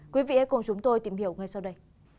quý vị hãy cùng chúng tôi tìm hiểu ngay sau đây